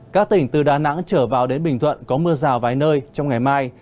các tỉnh từ đà nẵng trở vào đến bình thuận có mưa rào vài nơi trong ngày mai